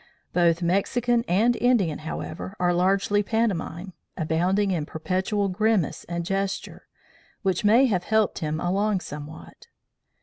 Both Mexican and Indian, however, are largely pantomime, abounding in perpetual grimace and gesture, which may have helped him along somewhat.